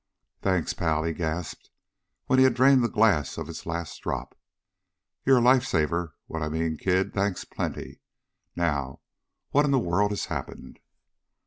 "Thanks, pal!" he gasped when he had drained the glass of its last drop. "You're a lifesaver, what I mean, kid. Thanks, plenty. Now, what in the world has happened?"